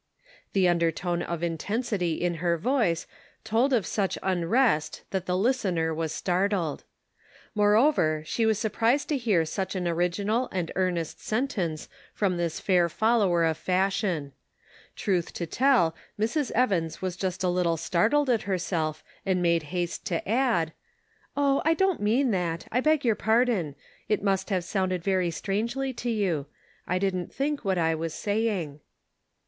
The undertone of intensit}* in her voice told of such unrest that the listener was startled. Moreover, she was surprised to hear such an original and earnest sentence from this fair follower of fashion. Truth to tell, Mrs. Evans was just a little startled at herself, and made haste to add : "Oh, I don't mean that. I beg your pardon ; it must have sounded very strangely to you. I didn't think what I was saying."